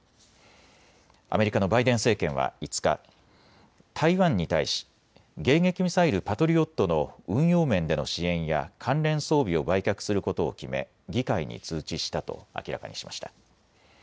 アメリカのバイデン政権は５日、台湾に対し迎撃ミサイル、パトリオットの運用面での支援や関連装備を売却することを決め議会に通知したと明らかにしました。